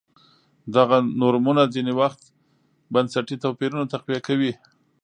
دغه نورمونه ځیني وخت بنسټي توپیرونه تقویه کوي.